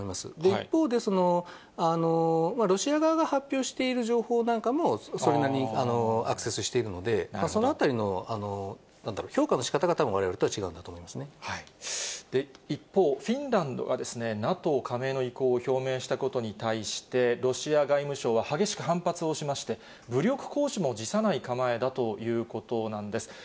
一方で、ロシア側が発表している情報なんかも、それなりにアクセスしているので、そのあたりの評価のしかたがわれ一方、フィンランドがですね、ＮＡＴＯ加盟の意向を表明したことに対して、ロシア外務省は激しく反発をしまして、武力行使も辞さない構えだということなんです。